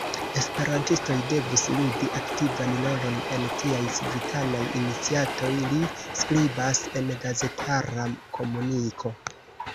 “Esperantistoj devus ludi aktivan rolon en tiaj civitanaj iniciatoj”, li skribas en gazetara komuniko.